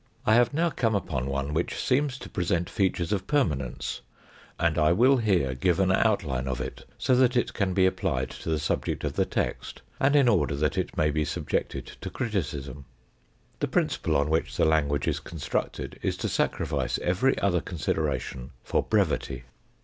I have now come upon one which seems to present features of permanence, and I will here give an outline of it, so that it can be applied to the subject of the text, and in order that it may be subjected to criticism. The principle on which the language is constructed is to sacrifice every other consideration for brevity.